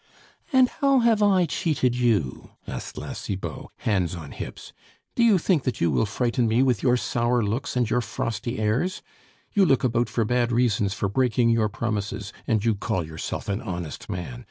"And how have I cheated you?" asked La Cibot, hands on hips. "Do you think that you will frighten me with your sour looks and your frosty airs? You look about for bad reasons for breaking your promises, and you call yourself an honest man!